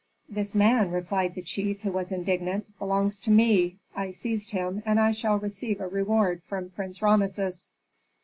"This man," replied the chief, who was indignant, "belongs to me. I seized him and I shall receive a reward from Prince Rameses."